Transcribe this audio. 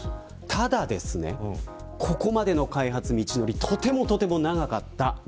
ただ、ここまでの開発の道のりはとても長かった。